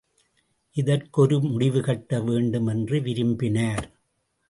இதற்கு ஒரு முடிவுகட்ட வேண்டும் என்று விரும்பினார்.